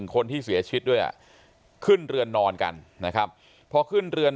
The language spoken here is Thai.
คนที่เสียชีวิตด้วยอ่ะขึ้นเรือนนอนกันนะครับพอขึ้นเรือน